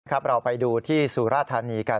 เราไปดูที่สุราธานีกัน